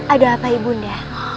ada apa ibunda